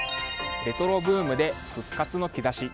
レトロブームで復活の兆し。